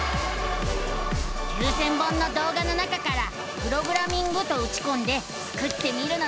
９，０００本の動画の中から「プログラミング」とうちこんでスクってみるのさ！